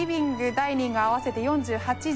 ダイニング合わせて４８帖あります。